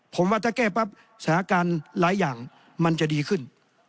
ผมว่าถ้าแก้ปั๊บสถานการณ์หลายอย่างมันจะดีขึ้น